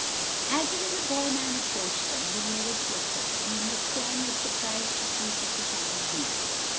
As the little boy man approached them, the nearest looked up, and in his turn was surprised to see such a tiny being.